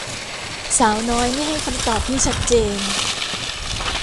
สาวน้อยไม่ให้คำตอบที่ชัดเจน